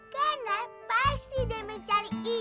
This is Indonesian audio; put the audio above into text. karena pasti dia mencari ide